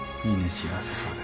幸せそうで。